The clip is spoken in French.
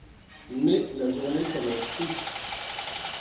Mais la journée s'annonce riche.